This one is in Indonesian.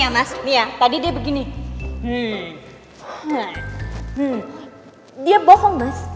malah dia udah nyuruh